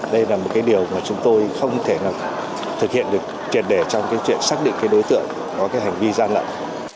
đây là một cái điều mà chúng tôi không thể thực hiện được truyền đề trong cái chuyện xác định cái đối tượng có cái hành vi gian lận